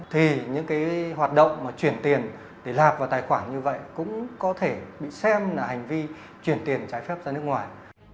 thì những cái hoạt động mà chuyển tiền để lạc vào tài khoản như vậy cũng có thể bị xem là hành vi chuyển tiền trái phép ra nước ngoài